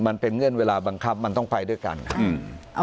เงื่อนเวลาบังคับมันต้องไปด้วยกันครับ